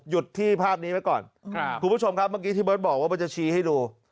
หยุดที่ภาพนี้ไว้ก่อนคุณผู้ชมครับเมื่อกี้ที่เบิร์ตบอกว่ามันจะชี้ให้ดู